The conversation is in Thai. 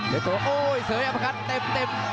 เทโทโอ้ยเสื้ออย่างประคัตเต็ม